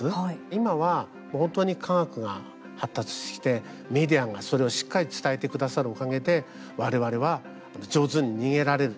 今は、もう本当に科学が発達してメディアがそれをしっかり伝えてくださるおかげでわれわれは上手に逃げられる。